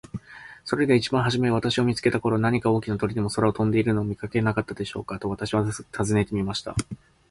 「それでは一番はじめ私を見つけた頃、何か大きな鳥でも空を飛んでいるのを見かけなかったでしょうか。」と私は尋ねてみました。